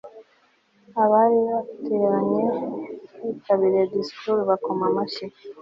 abari bateranye bitabiriye disikuru bakoma amashyi